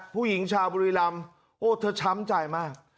ผู้หญิงชาวบุรีรำโอ้เธอช้ำใจมาก